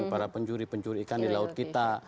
para pencuri pencuri ikan di laut kita